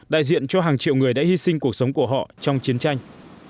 đại diện cho hàng triệu người đã hy sinh cuộc sống của họ trong chiến tranh